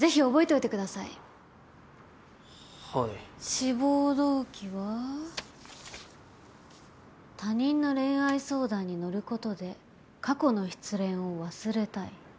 志望動機は「他人の恋愛相談に乗ることで過去の失恋を忘れたい」。